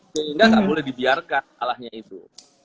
sehingga tidak boleh dibiarkan alahnya itu